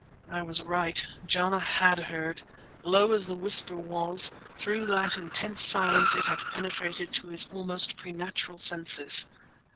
I was right—Jana had heard. Low as the whisper was, through that intense silence it had penetrated to his almost preternatural senses.